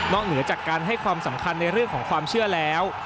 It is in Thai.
เหนือจากการให้ความสำคัญในเรื่องของความเชื่อแล้ว